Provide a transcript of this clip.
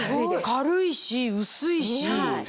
軽いし薄いし。